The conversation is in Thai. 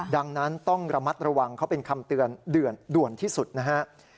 ดังนั้นต้องระมัดระวังเขาเป็นคำเตือนด่วนที่สุดนะฮะ